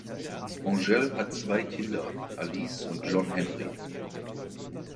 Angell hat zwei Kinder, Alice und John Henry.